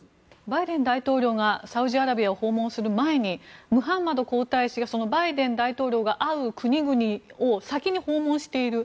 バイデン大統領がサウジアラビアを訪問する前にムハンマド皇太子がバイデン大統領が会う国々を先に訪問している。